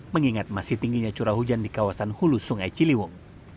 mengingat masih tingginya curah hujan di kawasan hulu sungai ciliwung